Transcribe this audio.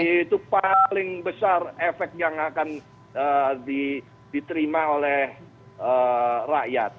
itu paling besar efek yang akan diterima oleh rakyat